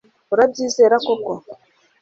Urabyizera koko